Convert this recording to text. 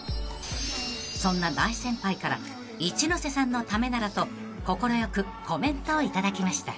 ［そんな大先輩から一ノ瀬さんのためならと快くコメントを頂きました］